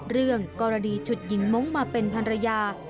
เรื่องกรณีฉุดหญิงมงค์มาเป็นภรรยา